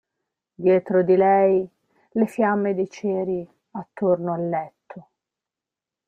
Dietro di lei le fiamme dei ceri attorno al letto.